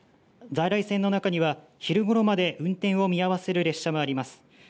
在来線の中には昼ごろまで運転を見合わせる列車もあります。